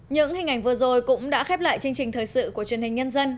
những hình ảnh vừa rồi cũng đã khép lại chương trình thời sự của truyền hình nhân dân